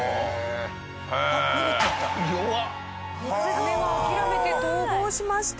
サメは諦めて逃亡しました。